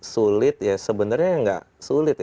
sulit sebenarnya tidak sulit